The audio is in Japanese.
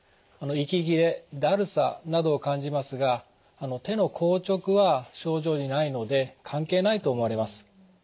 息切れだるさなどを感じますが手の硬直は症状にないので関係ないと思われます。